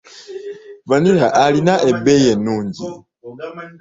Vanilla alina ebbeeyi ennungi.